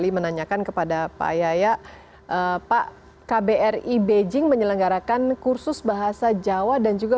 sekali menanyakan kepada payaya pak kbri beijing menyelenggarakan kursus bahasa jawa dan juga